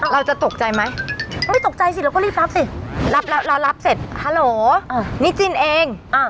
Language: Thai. เราจะตกใจไหมก็ไม่ตกใจสิเราก็รีบรับสิรับแล้วเรารับเสร็จฮัลโหลนิจินเอง